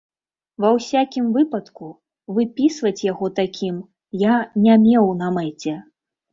Ва ўсякім выпадку, выпісваць яго такім я не меў на мэце.